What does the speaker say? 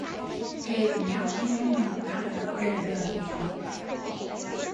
Thề với nhau anh em mình ăn ở đời đời kiếp kiếp